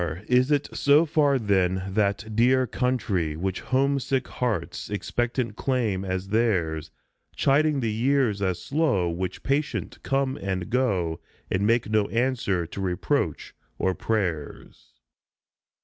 Is it so far then, that dear country Which homesick hearts expectant claim as theirs, Chiding the years as slow which patient come and go, And make no answer to reproach or prayers